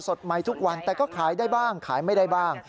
สดใหม่ทุกวันแต่ก็ขายได้บ้างขายไม่ได้บ้าง